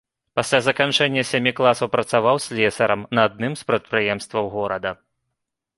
Пасля заканчэння сямі класаў працаваў слесарам на адным з прадпрыемстваў горада.